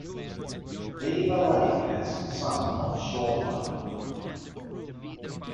Beaver Lake has some of shoreline.